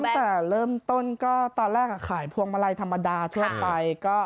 ตั้งแต่เริ่มต้นก็ตอนแรกขายพวงมาลัยธรรมดาทั่วไป